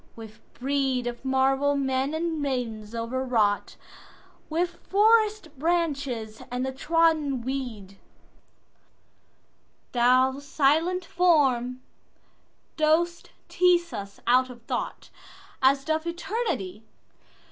with bredeOf marble men and maidens overwrought, With forest branches and the trodden weed; Thou, silent form, dost tease us out of thoughtAs doth eternity: Cold Pastoral!